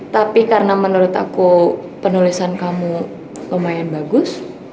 tapi karena menurut aku penulisan kamu lumayan bagus